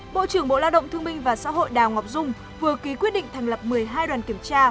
bộ trưởng bộ lao động thương minh và xã hội đào ngọc dung vừa ký quyết định thành lập một mươi hai đoàn kiểm tra